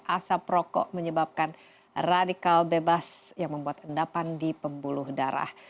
asap rokok menyebabkan radikal bebas yang membuat endapan di pembuluh darah